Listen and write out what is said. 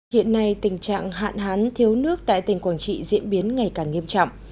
hiện nay tình trạng hạn hán thiếu nước tại tỉnh quảng trị diễn biến ngày càng nghiêm trọng